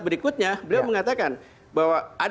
berikutnya beliau mengatakan bahwa